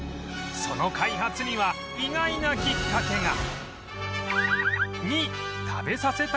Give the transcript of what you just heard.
その開発には意外なきっかけが！